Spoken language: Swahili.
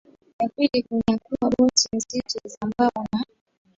ya pili kunyakua boti nzito za mbao na